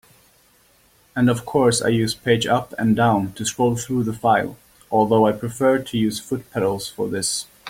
And of course I use page up and down to scroll through the file, although I prefer to use foot pedals for this.